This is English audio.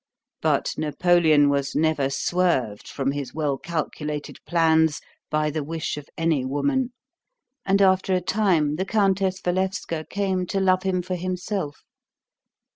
But Napoleon was never swerved from his well calculated plans by the wish of any woman, and after a time the Countess Walewska came to love him for himself.